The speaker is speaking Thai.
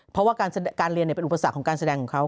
เพราะว่าการเรียนเป็นอุปสรรคของการแสดงของเขา